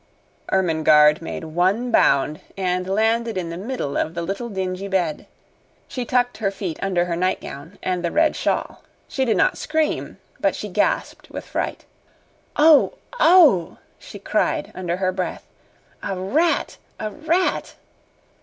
Ermengarde made one bound, and landed in the middle of the little dingy bed. She tucked her feet under her nightgown and the red shawl. She did not scream, but she gasped with fright. "Oh! Oh!" she cried under her breath. "A rat! A rat!"